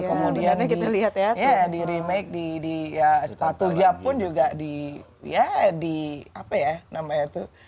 kemudian di remake di sepatunya pun juga di apa ya namanya tuh